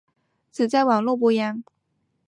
只在网络播映。